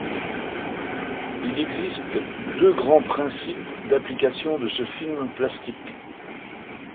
Il existe deux grands principes d'application de ce film plastique.